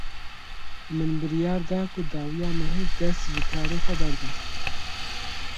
Min biryar da ku dawiya mehê dest ji karê xwe berdim.